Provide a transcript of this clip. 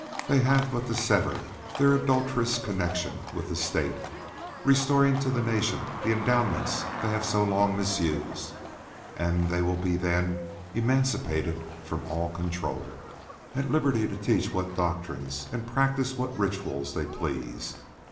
They have but to sever their adulterous connexion with the State, restoring to the nation the endowments they have so long misused, and they will then be emancipated from all control, at liberty to teach what doctrines and practise what ritual they please.